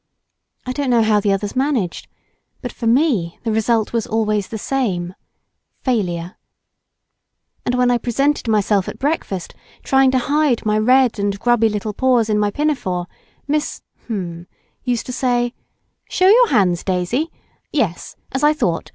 I don't know how the others managed, but for me the result was always the same failure; and when I presented myself at breakfast, trying to hide my red and grubby little paws in my pinafore, Miss—used to say: "Show your hands, Daisy—yes as I thought.